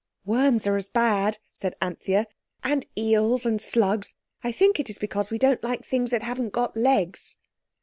"Worms are as bad," said Anthea, "and eels and slugs—I think it's because we don't like things that haven't got legs."